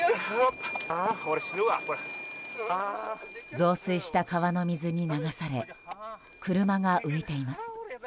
増水した川の水に流され車が浮いています。